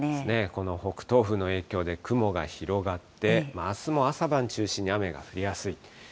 この北東風の影響で、雲が広がって、あすも朝晩中心に雨が降りやすい。